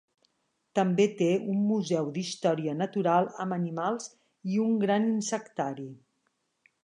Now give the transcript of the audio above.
També té un museu d"història natural amb animals i un gran insectari.